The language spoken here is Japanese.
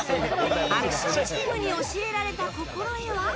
アクションチームに教えられた心得は？